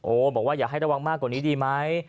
บอกว่าอย่าให้ระวังมากกว่านี้ดีไหม